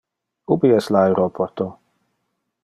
Ubi es le aeroporto?